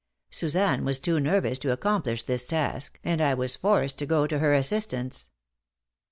Suzanne was too nervous to accomplish this task, and I was forced to go to her assistance.